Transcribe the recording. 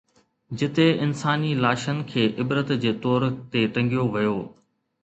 جتي انساني لاشن کي عبرت جي طور تي ٽنگيو ويو.